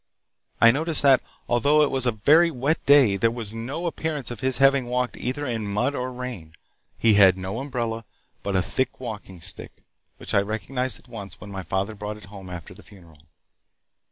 I noticed that, although it was a very wet day, there was no appearance of his having walked either in mud or rain. He had no umbrella, but a thick walking stick, which I recognized at once when my father brought it home after the funeral.